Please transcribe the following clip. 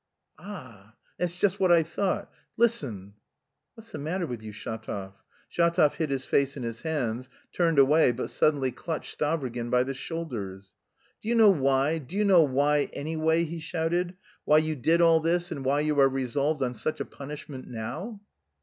"Ah! That's just what I thought! Listen!" "What's the matter with you, Shatov?" Shatov hid his face in his hands, turned away, but suddenly clutched Stavrogin by the shoulders. "Do you know why, do you know why, anyway," he shouted, "why you did all this, and why you are resolved on such a punishment now!"